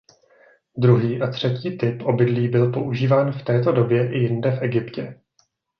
Druhý a třetí typ obydlí byl používán v této době i jinde v Egyptě.